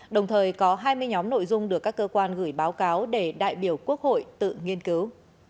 đồng thời có hai mươi nhóm nội dung được các cơ quan gửi báo cáo để đại biểu quốc hội tự nghiên cứu